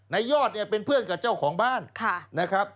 ในยอดเป็นเพื่อนกับเจ้าของบ้าน